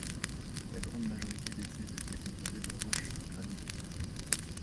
La grande majorité des îles est composée de roches de granit.